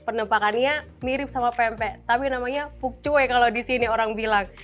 penempakannya mirip sama pempek tapi namanya fukcwe kalau di sini orang bilang